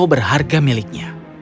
aku berharga miliknya